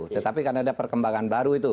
tetapi karena ada perkembangan baru itu